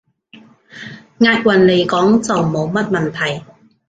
押韻來講，就冇乜問題